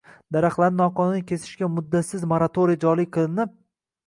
Daraxtlarni noqonuniy kesishga muddatsiz moratoriy joriy qilinib